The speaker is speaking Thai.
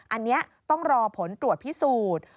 อันนี้ต้องรอผลตรวจพิสูจน์